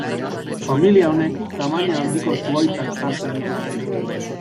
Familia honek tamaina handiko zuhaitzak hartzen ditu.